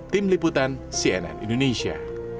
tim liputan cnn indonesia